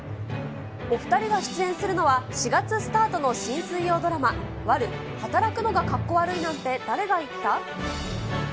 お２人が出演するのは、４月スタートの新水曜ドラマ、悪女・働くのがカッコ悪いなんて誰が言った？